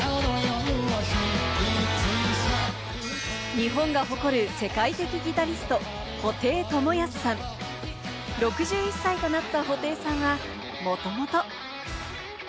日本が誇る、世界的ギタリスト・布袋寅泰さん。６１歳となった布袋さんはもともと。